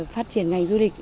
phát triển ngành du lịch